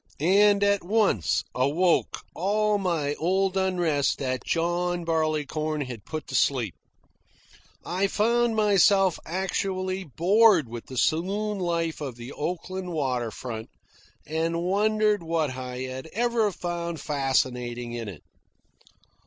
And at once awoke all my old unrest that John Barleycorn had put to sleep. I found myself actually bored with the saloon life of the Oakland water front, and wondered what I had ever found fascinating in it.